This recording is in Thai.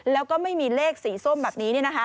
แล้วก็ไม่มีเลขสีส้มแบบนี้